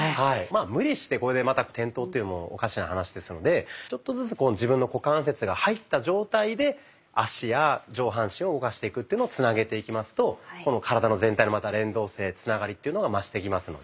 無理してこれでまた転倒っていうのもおかしな話ですのでちょっとずつこう自分の股関節が入った状態で脚や上半身を動かしていくっていうのをつなげていきますとこの体の全体のまた連動性つながりというのが増してきますので。